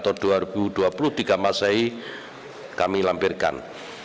atau dua ribu dua puluh tiga masai kami lampirkan